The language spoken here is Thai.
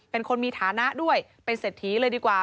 เป็นคนมีฐานะด้วยเป็นเศรษฐีเลยดีกว่า